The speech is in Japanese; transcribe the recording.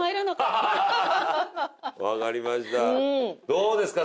どうですか？